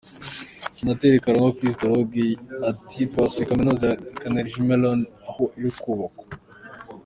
Senateri Karangwa Chrysologue ati “ Twasuye Kaminuza ya Carnegie Mellon aho iri kubakwa.